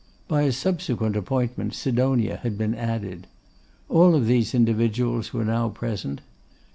By a subsequent appointment Sidonia had been added. All these individuals were now present.